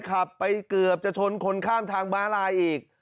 ขับไปเกือบจะชนคนข้ามทางม้าลายอีก